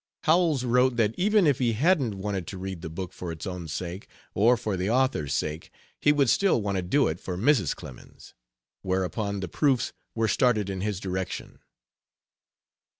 Howells wrote that even if he hadn't wanted to read the book for its own sake, or for the author's sake, he would still want to do it for Mrs. Clemens's. Whereupon the proofs were started in his direction.